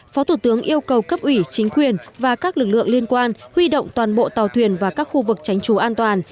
phó thủ tướng yêu cầu cấp ủy chính quyền và các lực lượng liên quan huy động toàn bộ tàu thuyền vào các khu vực tránh trú an toàn